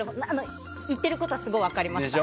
言っていることはすごい分かりました。